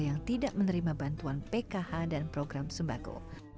yang tidak menerima bantuan pkh dan program sembako